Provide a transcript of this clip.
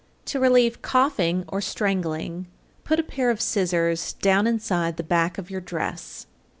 To relieve coughing or strangling, put a pair of scissors down inside the back of your dress.